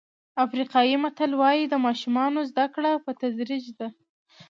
افریقایي متل وایي د ماشومانو زده کړه په تدریج ده.